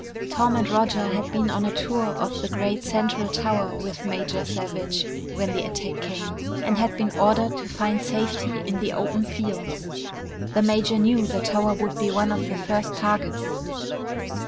Tom and Roger had been on a tour of the great central tower with Major Savage when the attack came and had been ordered to find safety in the open fields. The major knew the tower would be one of the first targets.